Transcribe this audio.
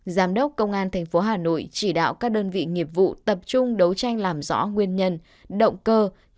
giám đốc công an thành phố hà nội chỉ đạo các đơn vị nghiệp vụ tập trung đấu tranh làm rõ nguyên nhân động cơ mục đích gây án